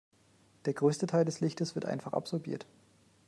Der größte Teil des Lichtes wird einfach absorbiert.